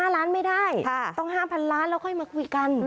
๕ล้านไม่ได้ต้อง๕๐๐ล้านแล้วค่อยมาคุยกัน